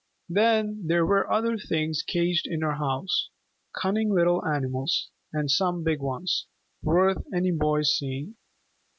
Then there were other things caged in her house, cunning little animals, and some big ones, worth any boy's seeing.